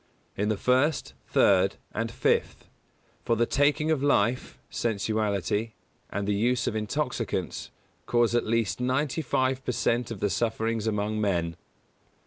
In the first, third and fifth; for the taking of life, sensuality, and the use of intoxicants, cause at least ninety five per cent of the sufferings among men.